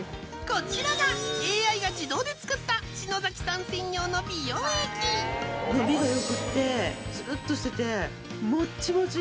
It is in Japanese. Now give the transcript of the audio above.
こちらがＡＩが自動で作った伸びが良くってツルっとしててもっちもち！